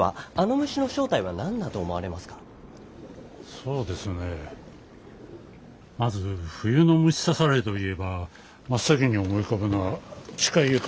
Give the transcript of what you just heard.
そうですねまず冬の虫刺されといえば真っ先に思い浮かぶのはチカイエカです。